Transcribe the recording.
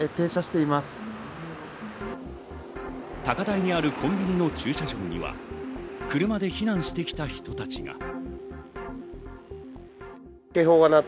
高台にあるコンビニの駐車場には、車で避難してきた人たちが。